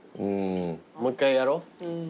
もう一回やろう。